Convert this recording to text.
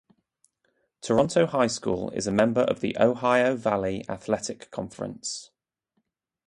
Toronto High School is a member of the Ohio Valley Athletic Conference.